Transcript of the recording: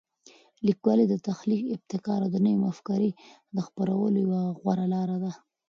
لیکوالی د تخلیق، ابتکار او نوي مفکورې د خپرولو یوه غوره لاره ده.